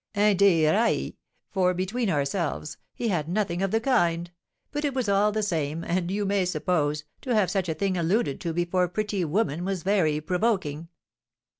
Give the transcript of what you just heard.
Inde iræ! for, between ourselves, he had nothing of the kind; but it was all the same, and, you may suppose, to have such a thing alluded to before pretty women was very provoking."